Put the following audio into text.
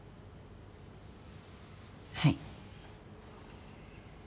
はい。